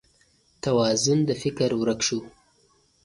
توازون د فکر ورک شو